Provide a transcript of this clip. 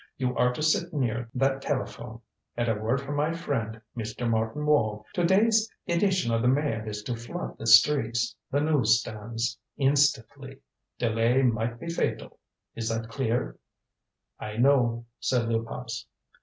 You are to sit near that telephone. At a word from my friend, Mr. Martin Wall, to day's edition of the Mail is to flood the streets the news stands. Instantly. Delay might be fatal. Is that clear?" "I know," said Luypas.